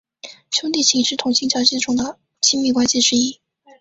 兄弟情是同性交际中的亲密关系之一。